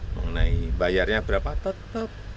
mengenai bayarnya berapa tetap